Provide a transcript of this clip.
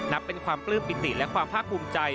นับเป็นความปลื้มปิติและความภาคภูมิใจ